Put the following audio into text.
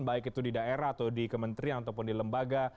baik itu di daerah atau di kementerian ataupun di lembaga